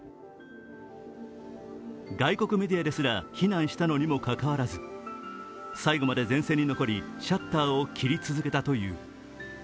外国メディアですら避難したのにもかかわらず、最後まで前線に残りシャッターを切り続けたという。